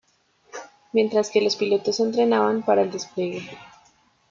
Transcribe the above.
Mientras que los pilotos se entrenaban para el despliegue.